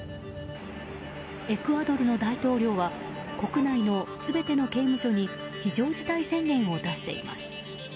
エクアドルの大統領は国内の全ての刑務所に非常事態宣言を出しています。